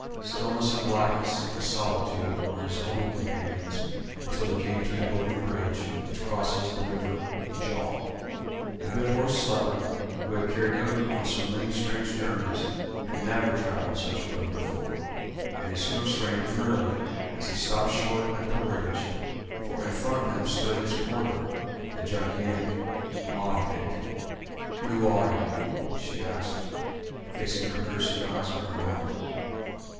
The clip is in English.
Stillness and blackness and solitude were his only companions until he came to the golden bridge which crosses the river Gjol. The good horse Sleipner, who had carried Odin on so many strange journeys, had never travelled such a road before, and his hoofs rang drearily as he stopped short at the bridge, for in front of him stood its porter, the gigantic Modgud. "Who are you?" she asked, fixing her piercing eyes on Hermod.